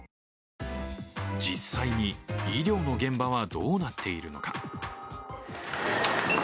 実際に医療の現場はどうなっているのか。